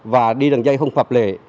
và đi đường dây không phập lệ